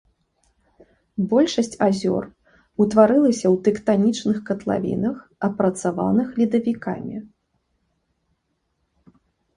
Большасць азёр утварылася ў тэктанічных катлавінах, апрацаваных ледавікамі.